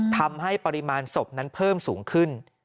ทำให้ปริมาณศพนั้นเพิ่มสูงขึ้น